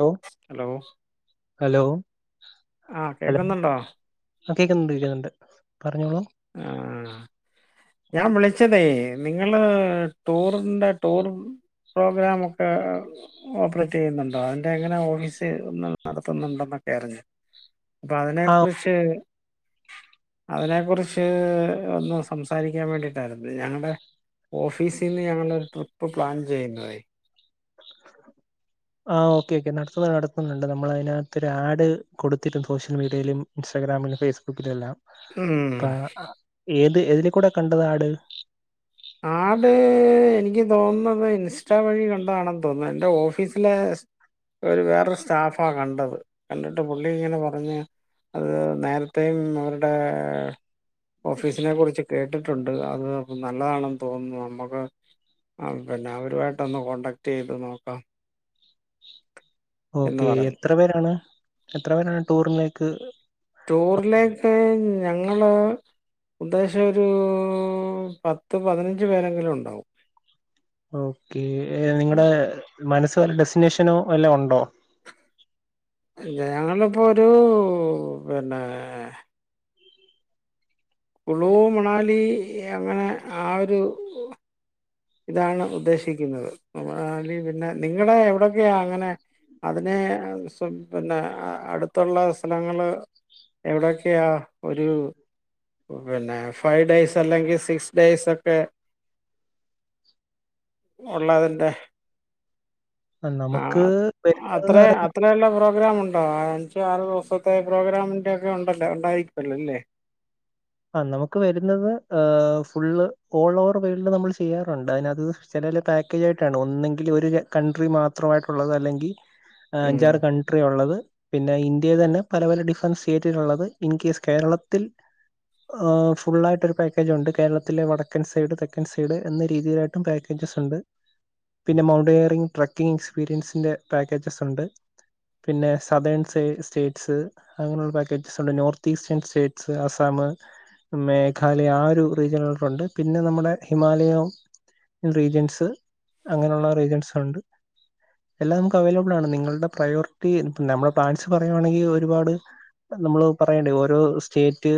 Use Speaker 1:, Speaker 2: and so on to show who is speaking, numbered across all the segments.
Speaker 1: ലൊ
Speaker 2: hello
Speaker 1: hello
Speaker 2: ആ
Speaker 1: hello
Speaker 2: കേൾക്കുന്നുണ്ടോ
Speaker 1: ആ കേക്കുന്നുണ്ട് കേൾക്കുന്നുണ്ട് പറഞ്ഞോളോ
Speaker 2: മ് ഞാൻ വിളിച്ചതേ നിങ്ങള് ടൂറിന്റെ ടൂർ പ്രോഗ്രാമൊക്കെ ഓപ്പറേറ്റ് ചെയ്യുന്നുണ്ടോ അതിൻ്റെ എങ്ങനെ ഓഫീസ് ഒന്ന് നടത്തുന്നുണ്ടെന്നൊക്കെ അറിഞ്ഞ് പ്പതിനെ
Speaker 1: ആ
Speaker 2: കുറിച്ച് അതിനെ കുറിച്ച് ഒന്ന് സംസാരിക്കാൻ വേണ്ടിയിട്ടായിരുന്നു ഞങ്ങളുടെ ഓഫീസിൽ നിന്ന് ഞങ്ങളരു ട്രി പ്പ് പ്ലാൻ ചെയ്യുന്നതായ്
Speaker 1: ആ ഓക്കെ ഓക്കെ നടത്തുന്നു നടത്തുന്നുണ്ട് നമ്മള അതിനകത്തൊ ഒരു ആഡ് കൊടുത്തിട്ടും സോഷ്യൽ മീഡിയയിലും ഇൻസ്റ്റാഗ്രാമിലും ഫേസ്ബുക്കിലും എല്ലാം
Speaker 2: ഉം.
Speaker 1: അപ്പ ഏത് ഏതിനെ കൂടെ കണ്ടത് ആഡ്
Speaker 2: ആടഡ് എനിക്ക് തോന്നുന്നത് ഇൻസ്റ്റാ വഴി കണ്ടതാണെന്ന് തോന്നുന്നു എൻറെ ഓഫീസിലെ ഒരു വേറൊരു സ്റ്റാഫാ കണ്ടത് കണ്ടിട്ട് പുള്ളി ഇങ്ങനെ പറഞ്ഞ് അത് നേരത്തെയും അവരുടെ ഓഫീസിനെ കുറിച്ച് കേട്ടിട്ടുണ്ട് അത് ന നല്ലതാണെന്ന് തോന്നുന്നു നമുക്ക് പിന്നെ അവരുമായിട്ടൊന്ന് കോടാക്ട് ചെയ്ത് നോക്കാം എന്ന്
Speaker 1: ഓക്കേ
Speaker 2: പറഞ്ഞു
Speaker 1: എത്ര പേരാണ് എത്ര പേരാണ് ടൂറിനേക്ക്
Speaker 2: ടൂറിലേക്ക് ഞങ്ങള് ഉദ്ദേശം ഒരു പത്ത് പതിനഞ്ച് പേരെങ്കിലും ഉണ്ടാവും
Speaker 1: ഓക്കെ നിങ്ങടെ മനസ്ൽ രു ഡെസ്റ്റിനേഷനോ വല്ലോ ഉണ്ടോ
Speaker 2: ഇല്ല ഞങ്ങളിപ്പോ ഒരു പിന്നെ കുളു മണാലി അങ്ങനെ ആ ഒരു ഇതാണ് ഉദ്ദേശിക്കുന്നത് മണാലി പിന്നെ നിങ്ങളെ എവിടെയൊക്കെയാ അങ്ങനെ അതിനെ സൊ പിന്നെ അടുത്തുള്ള സ്ഥലങ്ങൾ എവിടെയൊക്കെയാ ഒരു പിന്നെ ഫൈവ് ഡെയ്സ് അല്ലെങ്കിൽ സിക്സ് ഡെയ്സൊക്കെ ഉള്ളതിന്റെ ആ
Speaker 1: നമുക്ക്
Speaker 2: അത്ര
Speaker 1: വരുന്നതെന്ന്
Speaker 2: അത്രയല്ല പ്രോഗ്രാാം ഉണ്ടോ അഞ്ച് ആറ് ദിവസത്തെ പ്രോഗ്രാമിൻന്റെറെ ഒക്കെ ഉണ്ടല്ലോ ഉണ്ടായിരിക്കുവല്ലോ അല്ലേ
Speaker 1: ആ നമുക്ക് വരുന്നത് ഫുള്ള് ഓൾ ഓവർ വേൾഡ് നമ്മൾ ചെയ്യാറുണ്ട് അയ്നത് ചിലര് പാക്കേജയിട്ടാണ് ഒന്നെങ്കിൽ ഒരു കൺട്രി മാത്രമായിട്ടുള്ളത് അല്ലെങ്കി
Speaker 2: ഉം
Speaker 1: അഞ്ചാറ് കൺട്രി ഉള്ളത് പിന്നെ ഇന്ത്യയിൽ തന്നെ പല പല ഡിഫറൻസ് സ്റ്റേറ്റുകളുള്ളത് ഇൻ കേസ് കേരളത്തിൽ ഫുള്ളായിട്ട് ഒരു പാക്കേജ് ഉണ്ട് കേരളത്തിലെ വടക്കൻ സൈഡ് തെക്കൻ സൈഡ് എന്ന രീതിയിലായി ട്ടും പാക്കേജ്സ്ണ്ട് പിന്നെ മൗണ്ടനീറിങ്ങ് ട്രക്കിംഗ് എക്സ്പീരിയൻസിൻന്റെ പാക്കേജസ് ഉണ്ട്. പിന്നെ സതേൺ സ്റ്റേറ്റ്സ് അങ്ങനെയുള്ള പാക്കേജസ് ഉണ്ട് north eastern states. Assam Meghalaya ആ ഒരു റീജ്യനുകളിലട്ടുണ്ട്. പിന്നെ നമ്മുടെ ഹിമാലയവും. റീജിയൻസ് അങ്ങനെയുള്ള റീജിയൻസ് ഉണ്ട് എല്ലാം നമുക്ക് അവൈലബിൾ ആണ് നിങ്ങളുടെ പ്രയോറിറ്റി നമ്മുടെ പ്ലാൻസ് പറയുയാണെങ്കിൽ ഒരുപാട് നമ്മള് പറയണ്ടെ ഓരോ സ്റ്റേറ്റ്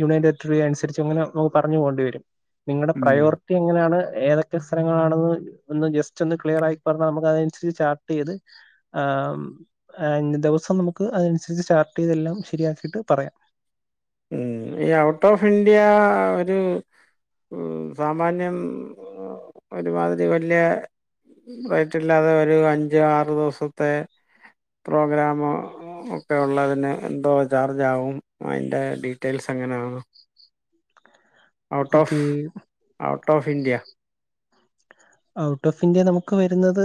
Speaker 1: യൂണിയൻ ടെറിറ്റ്റിയ അനുസരിച്ച് ങ്ങനെ നൊ പറഞ്ഞ് പോണ്ടിവരും നിങ്ങളുടെ
Speaker 2: ഉം
Speaker 1: പ്രയോറി. റ്റി എങ്ങനെയാണ് ഏതൊക്കെ സ്ഥലങ്ങളാണെന്ന് ഒന്ന് ജസ്റ്റ് ഒന്ന് ക്ലിയർ ആയി പറഞ്ഞ. നമുക്ക് അതിനനുസരിച്ച് ചാർട്ട് ചെയ്ത് ഏഹ് ദിവസം നമുക്ക് അതനുസരിച്ച് ചാർട് ചെയ്തെല്ലാം ശരിയാക്കിയിട്ട് പറയാം
Speaker 2: ഉം ഈ ഔട്ട് ഓഫ് ഇന്ത്യ ഒരു സാമാന്യം ഒരുമാതിരി വല്യ റേറ്റ്ല്ലാതെ ഒരു അഞ്ച് ആറ് ദിവസത്തെ പ്രോഗ്രാമൊ ക്കെ ഉള്ളതിന് എന്തോ ചാർജ് ആകും അതിൻ്റെ ഡീറ്റെയിൽസ് എങ്ങനെയാണ് out of
Speaker 1: okay
Speaker 2: out of India.
Speaker 1: Out of India നമുക്ക് വരുന്നത്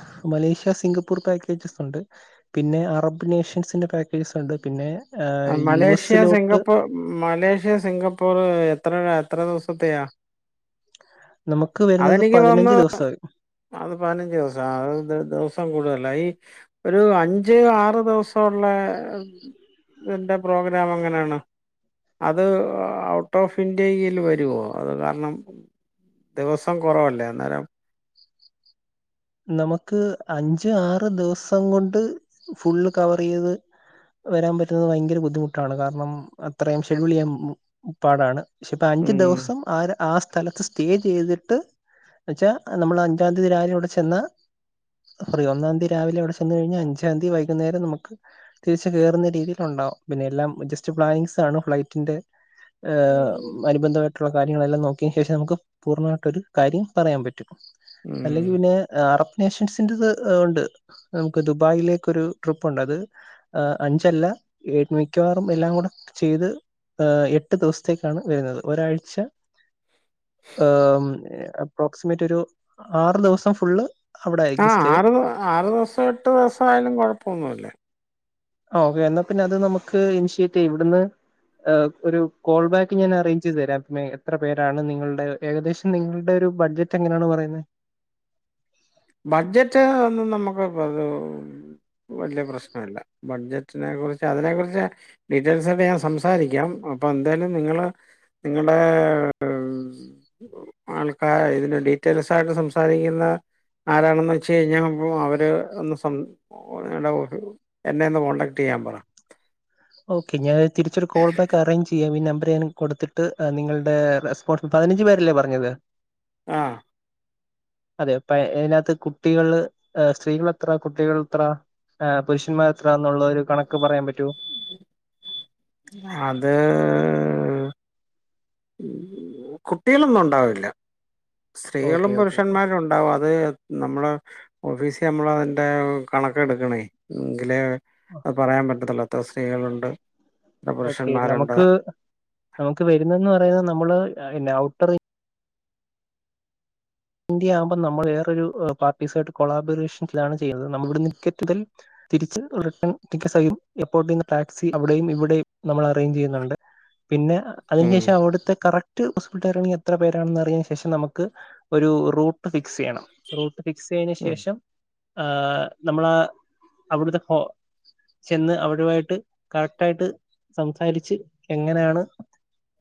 Speaker 1: ഹ് മലേഷ്യ സിംഗപ്പൂർ പാക്കേജസ് ഉണ്ട്. പിന്നെ അറബ് നേഷൻസിന്റെ പാക്കേജസ് ഉണ്ട് പിന്നെ യു എ
Speaker 2: മലേഷ്യ
Speaker 1: സി ലോട്ട്.
Speaker 2: സിംഗപ്പൂർ മലേഷ്യ സിംഗപ്പൂർ എത്ര രാ എത്ര ദിവസത്തെയാ?
Speaker 1: നമുക്ക് വരുന്നത്
Speaker 2: അതെനിക്ക്
Speaker 1: പതിനഞ്ച്
Speaker 2: തോന്നുന്നു
Speaker 1: ദിവസാ
Speaker 2: അത് പതിനഞ്ച് ദിവസം അത് ദിവസം കൂടുതല. ഈ ഒരു അഞ്ച് ആറ് ദിവസം ഒക്കെയുള്ള ഇതിന്റെ പ്രോഗ്രാം എങ്ങനെയാണ്? അത് ഔട്ട് ഓഫ് ഇന്ത്യയിൽ വരോ? അത് കാരണം. ദിവസം കൊറവല്ലേ അന്നേരം.
Speaker 1: നമുക്ക് അഞ്ച് ആറ് ദിവസം കൊണ്ട് ഫുള്ള് കവർ ചെയ്ത്. വരാൻ പറ്റുന്നത് ഭയങ്കര ബുദ്ധിമുട്ടാണ്. കാരണം അത്രയും ഷെഡ്യൂൾ ചെയ്യാൻ പാടാണ്. പക്ഷെ ഇപ്പ അഞ്ചു
Speaker 2: ഉം
Speaker 1: ദിവസം ആ ആ സ്ഥലത്ത് സ്. സ്റ്റേ ചെയ്തിട്ട് എന്നെച്ചാ നമ്മൾ അഞ്ചാം തീയതി രാവിലെ അവിടെ ചെന്നാ പറയോ ഒന്നാം തീ രാവിലെ അവിടെ ചെന്ന് കഴിഞ്ഞൽ അഞ്ചാം തീ വൈകുന്നേരം നമുക്ക്. തിരിച്ച് കേറുന്ന രീതിൽ ണ്ടാവും. പിന്നെ എല്ലാം ജസ്റ്റ് പ്ലാനിങ്സ് ആണ് ഫ്ലൈറ്റിന്റെ. ഏഹ്.
Speaker 2: ഉം
Speaker 1: അനുബന്ധമായിട്ടുള്ള കാര്യങ്ങളെല്ലാം നോക്കിയന് ശേഷം നമുക്ക് പൂർണ്ണമായിട്ടൊരു കാര്യം പറയാൻ പറ്റും. അല്ലെങ്കിൽ
Speaker 2: ഉം
Speaker 1: പിന്നെ. അറബ് നേഷൻസിൻന്റെറത് ഏഹ് ഉണ്ട് നമുക്ക് ദുബായിലേക്കൊരു ട്രിപ്പുണ്ട് അത്. ഏഹ് അഞ്ചല്ല മിക്കവാറുംഎല്ലാം കൂടെ ചെയ്ത്. ഏഹ് എട്ട് ദിവസത്തേക്കാണ് വരുന്നത് ഒരാഴ്ച. ഏഹ് അപ്രോക്സിമേറ്റ് ഒരു ആറ് ദിവസം ഫുള്ള്. അവിടെ ആയിരിക്കും
Speaker 2: ആഹ്
Speaker 1: സ്റ്റേ.
Speaker 2: ആറ് ദ് ആറ് ദിവസം എട്ട് ദിവസം ആയാലും കൊഴപ്പന്നുല്ല.
Speaker 1: ആഹ് ഓക്കെ എന്നാ പിന്നെ അത് നമുക്ക് ഇനിഷ്യേറ്റ് ചെയ്യ ഇവിടുന്ന്. ഏഹ് ഒരു കോൾ ബാക്ക് ഞാൻ അറേഞ്ച് ചെയ്ത് തരാം മേ എത്ര പേരാണ് നിങ്ങൾടെ. ഏകദേശം നിങ്ങളുടെ ഒരു ബഡ്ജറ്റ് എങ്ങനെയാണ് പറയുന്നേ.
Speaker 2: ബഡ്ജറ്റ് ഒന്നും നമുക്ക് [unintelligible] വല്ല്യ പ്രശ്നല്ല. ബഡ്ജറ്റിനെ കുറിച്ച് അതിനെ കുറിച്ച്. ഡീറ്റെയിൽസൊക്കെ ഞാൻ സംസാരിക്കാം. അപ്പൊ എന്തായാലും നിങ്ങള്. നിങ്ങൾടെ ആൾക്കാർ ഇതിന്റെ ഡീറ്റെൽസായിട്ട് സംസാരിക്കുന്ന. ആരാണെന്ന് വെച്ച് കഴിഞ്ഞാ അപ്പം അവര് ഒന്ന് സം [inaudible] എന്നെ ഒന്ന് കോൺടാക്ട് ചെയ്യാൻ പറ.
Speaker 1: ഓക്കെ ഞാൻ തിരിച്ചൊരു കോൾ ബാക്ക് അറേഞ്ച് ചെയ്യാം. ഈ നമ്പർ ഞൻ കൊടുത്തി. ട്ട് നിങ്ങളുടെ റെസ്പോൺസ് പതിനഞ്ച് പേരല്ലേ പറഞ്ഞത്
Speaker 2: ആഹ്
Speaker 1: അതെ പ്പ അയിനകത്ത് കുട്ടികള് സ്ത്രീകളെത്ര കുട്ടികളെത്ര ആഹ് പുരുഷന്മാരെത്രാന്നുള്ള ഒരു കണക്കുപറയാൻ പറ്റുവോ
Speaker 2: അത് കുട്ടികളൊന്നുണ്ടാവില്ല. സ്ത്രീകളും
Speaker 1: ഓക്കെ ഓക്കെ
Speaker 2: പുരുഷന്മാരുണ്ടാവും അത്. നമ്മള് ഓഫീസി നമ്മളതിൻ്റെ കണക്കെടുക്കണേ എങ്കിലേ അഹ്പറയാൻ പറ്റത്തുള്ളൂ എത്ര സ്ത്രീകളുണ്ട് എത്ര
Speaker 1: ഓക്കെ
Speaker 2: പുരുഷന്മാരുണ്ട്.
Speaker 1: നമുക്ക് നമുക്ക് വരുന്നതെന്നുപറയുന്ന നമ്മള് ഔട്ടർ ഇന്ത്യ ആകുമ്പ നമ്മൾ വേറൊരു പാർട്ടീസ ആട്ട് കൊളാബറേഷൻസാണ് ചെയ്യുന്നത് നമ്മളിവിടെ നിക്കറ്റ് ടൽ തിരിച്ച് റിട്ടേൺ ടിക്കറ്റ്സഹിതം എയർപോർട്ടീന്ന്ടാക്സിയുംഅവിടെയും ഇവിടെയും നമ്മൾ അറേഞ്ച് ചെയ്യുന്നുണ്ട്. പിന്നെ അതിനു
Speaker 2: ഉം.
Speaker 1: ശേഷം അവിടുത്തെ കറക്റ്റ് ഹോസ്പിറ്റാരാണെങ്കിൽ എത്ര പേരാണെന്ന റിയേനു ശേഷം നമുക്ക് ഒര് റൂ ട്ട്ഫിക്സ് ചെയ്യണം. റൂട്ട് ഫിക് സാ യേ നു
Speaker 2: ഉം.
Speaker 1: ശേഷം ആഹ് നമ്മളവിടുന്ന്പോ ചെന്നവരുമായിട്ട് കറക്റ്റായിട്ട് സംസാരിച്ച് എങ്ങനെയാണ്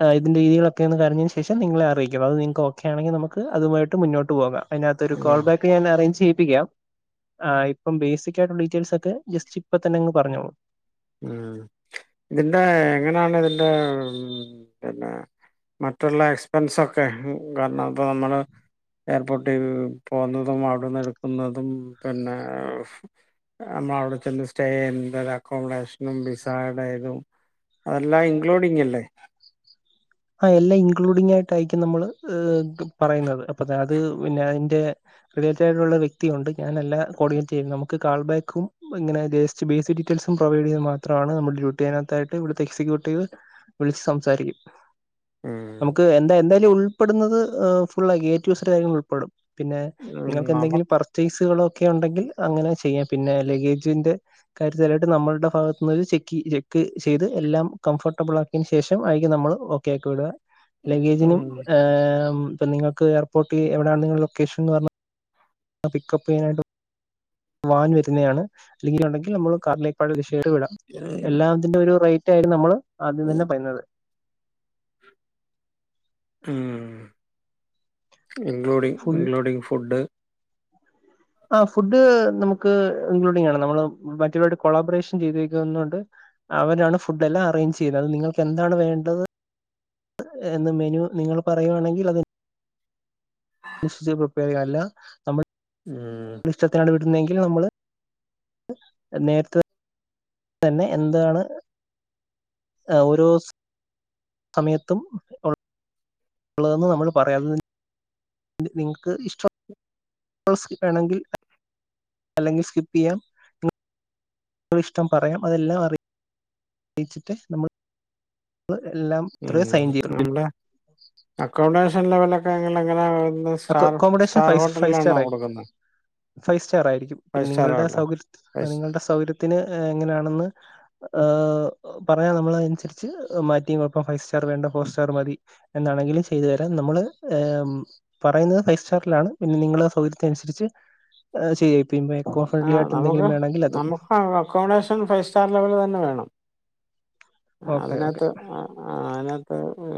Speaker 1: ആഹ് ഇതിന്റെ രീതി ളൊക്കെ ഒന്ന് കഴിഞ്ഞതിനു ശേഷം നിങ്ങളെയറിയിക്കണം അത് നിങ്ങക്ക് ഓക്കെയാണെങ്കിൽ നമുക്ക് അതുമായിട്ടുമുന്നോട്ടു പോകാം. അതിനകത്തൊരു
Speaker 2: ഉം.
Speaker 1: കോൾബാക്ക് ഞാൻ അറേഞ്ച് ചെയ്യിപ്പിക്കാം ആഹ് യിപ്പംബേസിക്കായിട്ടുള്ള ഡീറ്റെയിൽസൊക്കെ ജസ്റ്റിപ്പൊ തന്നെയങ് പറഞ്ഞോളൂ
Speaker 2: ഉം ഇതിന്റെ എങ്ങനെയാണിതിന്റെ പിന്നെ മറ്റുള്ള എക്സ്പെൻസൊക്കെ കാരണം പ്പോ നമ്മള് എയർപോർട്ടിൽ പോകുന്നതു അവിടുന്ന് എടുക്കുന്നതും പിന്നെ നമ്മളവിടെ ചെന്നുസ്റ്റേ ചെയ്യുന്നൊരാൾക്കും. അക്കോമഡേഷനും വിസായുടേതും അതെല്ലാം ഇൻക്ലൂഡിംങ്ങല്ലേ
Speaker 1: ആഹ് എല്ലാം ഇൻക്ലൂഡിംങ്ങായിട്ടായിരിക്കും നമ്മള് ഏഹ് പറയുന്നത് അപ്പൊ അതുപിന്നെയതിന്റെ റിലേറ്ററായിട്ടുള്ള വ്യക്തിയുണ്ട്. ഞാനല്ലാ കോർഡിനേറ്റുചെയ്യുന്നത് നമുക്ക് കാൾബാക്കും ഇങ്ങനെ ബേസ് കുറച്ച് ബേസിക് ഡീറ്റെയിൽസുംപ്രൊവൈഡുചെയ്തു മാത്രമാണ് നമ്മുടെ ഡ്യൂട്ടിയുടേതിനായിട്ട് ഇവിടുത്തെ എക്സിക്യൂ ക്യൂട്ടീവ്‌, വിളിച്ചുസംസാരിക്കും.
Speaker 2: ഉം.
Speaker 1: നമുക്ക് എന്താ എന്തായാലും ഉൾ ഉൾപ്പെടുന്നത് ഫുൾഏറ്റു ഇസഡ് കാര്യങ്ങൾ ഉൾപ്പെടും. പിന്നെ
Speaker 2: ഉം നമ
Speaker 1: നിങ്ങൾക്കെന്തെങ്കിലും പർ പർചേസുകളൊക്കെ യുണ്ടെങ്കിൽ അങ്ങനെ ചെയ്യാം. പിന്നെ ലഗേജിന്റെ കാര്യത്തിലായിട്ട് നമ്മളുടെ ഭാഗത്തുനിന്ന് ചെക്ക്, ചെക്ക് ചെയ്ത് എല്ലാം.. കംഫർട്ടബിൾ ആക്കിയതിനുശേഷം ആയിരിക്കും നമ്മള്ഓക്കെയാക്കി വിടുക.
Speaker 2: ഉം
Speaker 1: ലഗേജിനും ഏ... ഇപ്പൊ നിങ്ങൾക്ക് എയർപോർട്ടിൽഎവിടാണ് നിങ്ങളുടെലൊക്കേഷനെന്നുപറഞ്ഞാ ആ പിക്കപ്പ്ചെയ്യാനായിട്ടും വാൻ വരുന്നതാണ് അല്ലെങ്കിൽ [unintelligible] ഇതിന്റെ ഒരു റേറ്റായിരുന്നു നമ്മള് ആദ്യം തന്നെപറഞ്ഞത്.
Speaker 2: ഉം.. ഇൻക്ലൂഡിംഗ്,
Speaker 1: ഫുൾ
Speaker 2: ഇൻക്ലൂഡിംഗ് ഫുഡ്
Speaker 1: ആഹ്.. ഫുഡ് നമുക്ക് ഇൻക്ലൂഡിംഗാണ് നമ്മള് മറ്റുള്ളവരോട് കൊളാബറേഷൻ ചെയ്തുവക്കുന്നതു കൊണ്ട് അവരാണ് ഫുഡെല്ലാം അറേഞ്ച് ചെയ്യുന്നത്, അത് നിങ്ങൾക്കെന്താണ് വേണ്ടത് എന്ന് മെനുനിങ്ങൾ പറയുവാണെങ്കിലത് ഡിഷ്പ്രിപ്പയറല്ലാ നമ്മ
Speaker 2: ഉം...
Speaker 1: ഇഷ്ടത്തിനാണുവിടുന്ന തെങ്കിൽ നമ്മള് നേരത്തെ തന്നെ തന്നെ എന്താണ് ഓരോ സ സമയത്തും ഉള്ളതെന്നു നമ്മള് പറയാൻ വേണ്ടി ഇതു നിങ്ങൾക്കിഷ്ടം വേണെങ്കിൽ അല്ലെങ്കിൽ സ്കിപ്പുചെയ്യാം ഒരിഷ്ടം പറയാം, അതെല്ലാം അറിയാം ച്ചിട്ട് നമ്മൾ എല്ലാം ഇത്രയ സൈൻ ചെയ
Speaker 2: അക്കോമൊഡേഷൻ ലെവലൊക്കെങ്ങ എങ്ങനെ star
Speaker 1: accommodation
Speaker 2: star
Speaker 1: five five star
Speaker 2: ഹോട്ടലിലാണോ
Speaker 1: ആയി
Speaker 2: കൊടുക്കുന്നെ
Speaker 1: ഫൈവ് സ്റ്റാർ ആയിരിക്കും പിന്നെ നിങ്ങളുടെ
Speaker 2: ഹോട്ടൽ
Speaker 1: സൗകര്യ
Speaker 2: ഫൈവ്
Speaker 1: നിങ്ങളുടെ സൗകര്യത്തിന് എങ്ങനാണെന്ന് പറഞ്ഞാ നമ്മളത അനുസരിച്ച് മാറ്റിയ കുഴപ്പം ഫൈവ് സ്റ്റാർ വേണ്ട ഫോർ സ്റ്റാർ മതി എന്താണെങ്കിലും ചെയ്തു തരാം നമ്മള് പറയുന്നത് ഫൈവ് സ്റ്റാറിലാണ് പിന്നെ നിങ്ങളുടെ സൗകര്യത്തിനനുസരിച്ച് ചെയ്യായിപ്പ എക്ക
Speaker 2: ആ
Speaker 1: ഫ്രണ്ട്ല ആയിട്ട എന്തങ്കിലും
Speaker 2: നമുക്ക്
Speaker 1: വേണെങ്കിൽ അതും
Speaker 2: നമുക്ക് അക്കോമഡേഷൻ ഫൈവ് സ്റ്റർ ലെവല്തന്നെ വേണം
Speaker 1: ഓക്കെ ഓക്കെ
Speaker 2: അതിനകത്ത് അതിനകത്ത്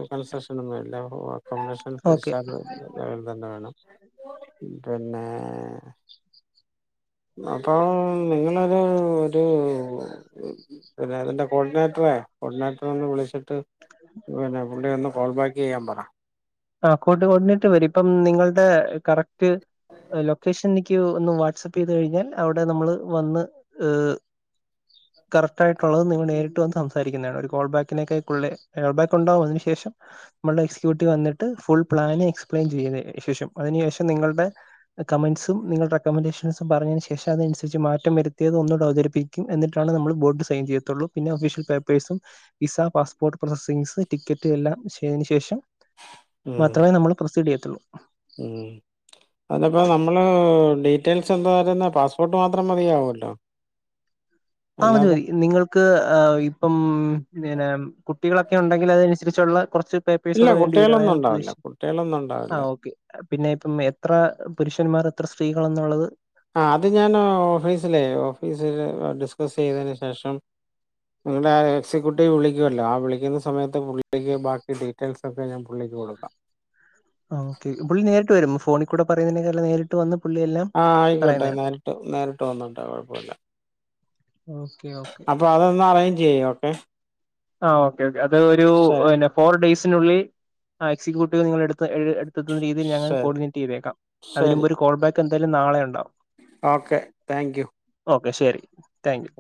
Speaker 2: കൺസെഷനൊന്നും ഇല്ല അക്കോമഡേഷ
Speaker 1: ഓക്കെ
Speaker 2: വ്സ്റ്റാർ തന്നെ വേണം പിന്നെ അപ്പോൾ നിങ്ങളൊരു ഒരു പിന്നെ അതിന്റെ കോർഡിനേറ്ററെ കോർഡിനേറ്ററൊന്ന് വിളിച്ചിട്ട് പിന്നെ പുള്ളിന്ന് കോൾ ബാക്ക് ചെയ്യാൻ പറ
Speaker 1: ആ കോർഡിനേറ്റർ വരും ഇപ്പം നിങ്ങളുടെ കറക്റ്റ് ലൊക്കേഷൻ എനിക്ക് ഒന്ന് വാട്സാപ്പ് ചെയ്ത് കഴിഞ്ഞാൽ അവിടെ നമ്മള് വന്ന് കറക്റ്റ് ആയിട്ടുള്ളത് നിങ്ങൾ നേരിട്ട് വന്ന് സംസാരിക്കുന്നതാണ് ഒരു കോൾ ബാക്കിനേക്കായിക്കുള്ളേ കോൾ ബാക്ക് ഉണ്ടാവും അതിനു ശേഷം നമ്മുടെ എക്സിക്യൂട്ടീവ് വന്നിട്ട് ഫുൾ പ്ലാന് എക്സ്പ്ലെയിൻ ചെയ്തിന ശേഷം അതിനു ശേഷം നിങ്ങളുടെ കമന്റ്സും നിങ്ങളുടെ റെക്കമെൻഡേഷൻസും പറഞ്ഞതിനന് ശേഷം അതനുസരിച്ച് മാറ്റം വരുത്തിയത് ഒന്നുക അവതരിപ്പിക്കും എന്നിട്ടാണ് നമ്മൾ പോയിട്ട് സൈൻ ചെയ്യത്തുള്ളൂ പിന്ന ഒഫീഷ്യൽ പേപേസും വിസ പാസ്പ് പ്രോസസിംഗസ് ടിക്കറ്റ് എല്ലാം ചെയ്തതിനന് ശേഷം
Speaker 2: ഉം
Speaker 1: മാത്രമേ നമ്മൾ പ്രൊസീഡ് ചെയ്യത്തുള്ളൂ
Speaker 2: ഉം അതിപ്പ നമ്മള്.. ഡീറ്റെയിൽസ് എന്താ [unintelligible] പാസ്പോർട്ട് മാത്രം മതിയാവുല്ലോ
Speaker 1: ആ മതി മതി നിങ്ങൾ ക്ക് ഇപ്പം പിന്നെ കുട്ടികളൊക്കെ ഉണ്ടെങ്കിൽ അതനുസരിച്ചുള്ള കുറച്ച്
Speaker 2: ഇല്ല
Speaker 1: പേപ്പേഴ്സൂടെ വേണ്ടി വരും
Speaker 2: കുട്ടികളൊന്നും
Speaker 1: ഞാൻ
Speaker 2: ഉണ്ടാവില്ല
Speaker 1: ഉദ്ദേശി
Speaker 2: കുട്ടികളൊന്നും
Speaker 1: ആ
Speaker 2: ഉണ്ടാവില്ല
Speaker 1: ഓക്കെ പിന്നെ ഇപ്പം എത്ര പുരുഷന്മാർ എത്ര സ്ത്രീകളെന്നുള്ളത്
Speaker 2: ആ അത് ഞാൻ ഓഫീസിലേ ഓഫീസില് ഡിസ്കസ് ചെയ്തതിന് ശേഷം നിങ്ങള എക്സിക്യൂട്ടീവ് വിളിക്കല്ലോ ആ വിളിക്കുന്ന സമയത്ത് പുള്ളിക്ക് ബാക്കിട്ട റ്റെൽസൊക്കെ ഞാ പുള്ളിക്ക്‌ കൊടുക്കാം
Speaker 1: ആ ഓക്കെ പുള്ളി നേരിട്ട് വരും ഫോണീകൂടെ പറയുന്നതിനെക്കെല്ല നേരി ട്ട് വന്ന് പുള്ളിയെല്ലാം
Speaker 2: ആഹ് ആയിക്കോട്ടെ നേരിട്ട് നേരിട്ട് വന്നോട്ടെ കുഴപ്പമില്ല
Speaker 1: ഓക്കേ ഓക്കെ
Speaker 2: അപ്പൊ അതൊന്ന് അറേഞ്ച് ചെയ്യോ ഒക്കെ
Speaker 1: ആ ഓക്കെ ഓക്കെ അത് ഒരു ഫോർ ഡേയ്സിനുള്ളിൽ എക്സിക്യൂട്ടീവ് നിങ്ങളെടുത്ത് [unintelligible] ത്തുന്ന രീതിൽ ഞങ്ങ
Speaker 2: ശരി
Speaker 1: കോർഡിനേറ്റ് ചെയ്തേക്കാം. അതിന്
Speaker 2: ശരി
Speaker 1: മുമ്പ് ഒരു കോൾ ബാക്ക് എന്തായാലും നാളെ ഉണ്ടാവും
Speaker 2: ഓക്കെ താങ്ക് യൂ
Speaker 1: ഓക്കെ ശരി താങ്ക് യു